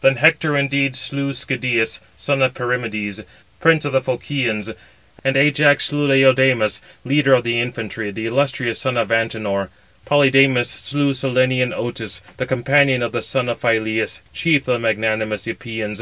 Then Hector indeed slew Schedius, son of Perimedes, prince of the Phoceans; and Ajax slew Laodamas, leader of the infantry, the illustrious son of Antenor. Polydamas slew Cyllenian Otus, the companion of the son of Phyleus, chief of the magnanimous Epeans.